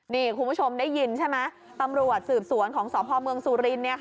นี่คุณผู้ชมได้ยินใช่ไหมตำรวจสืบสวนของสพเมืองสุรินทร์